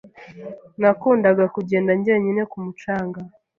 Nakundaga kugenda njyenyine ku mucanga.